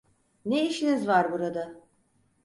Ne işiniz var burada?